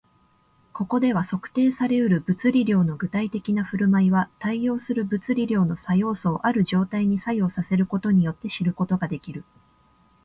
ここでは、測定され得る物理量の具体的な振る舞いは、対応する物理量の作用素をある状態に作用させることによって知ることができる